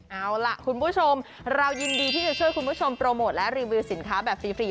เอาล่ะคุณผู้ชมเรายินดีที่จะช่วยคุณผู้ชมโปรโมทและรีวิวสินค้าแบบฟรี